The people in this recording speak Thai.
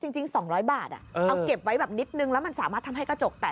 จริง๒๐๐บาทเอาเก็บไว้แบบนิดนึงแล้วมันสามารถทำให้กระจกแตก